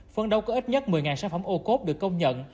phấn đấu có ít nhất một mươi sản phẩm ô cốt được công nhận